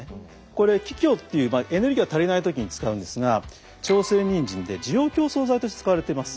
これ気虚というエネルギーが足りない時に使うんですが朝鮮人参で滋養強壮剤として使われてます。